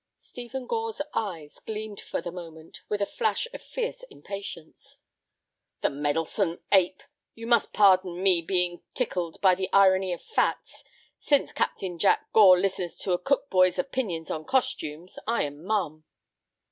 Stephen Gore's eyes gleamed for the moment with a flash of fierce impatience. "The meddlesome ape! You must pardon me being tickled by the irony of facts. Since Captain Jack Gore listens to a cook boy's opinions on costumes, I am mum."